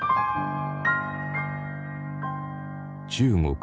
中国